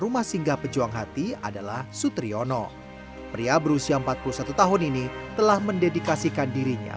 rumah singgah pejuang hati adalah sutriono pria berusia empat puluh satu tahun ini telah mendedikasikan dirinya